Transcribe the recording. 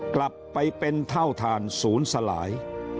กลับไปเป็นเท่าฐานศูนย์สลาย